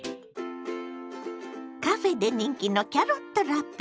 カフェで人気のキャロットラペ。